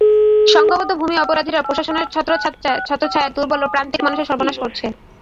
সংঘবদ্ধ ভূমি অপরাধীরা প্রশাসনের ছত্রচ্ছায়ায় দুর্বল ও প্রান্তিক মানুষের সর্বনাশ করছে।